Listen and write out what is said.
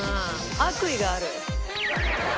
「悪意がある」